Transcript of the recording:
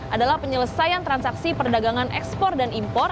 adalah penyelesaian transaksi perdagangan ekspor dan impor